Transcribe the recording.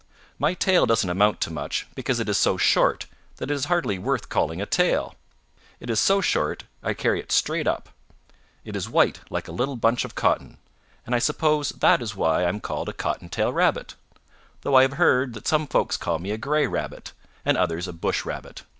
My tail doesn't amount to much because it is so short that it is hardly worth calling a tail. It is so short I carry it straight up. It is white like a little bunch of cotton, and I suppose that that is why I am called a Cottontail Rabbit, though I have heard that some folks call me a Gray Rabbit and others a Bush Rabbit.